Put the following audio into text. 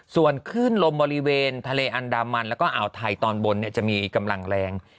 ส่วนขึ้นลมบริเวณทะเลอันดามันแล้วก็อ่าวไทยตอนบนจะมีกำลังแรง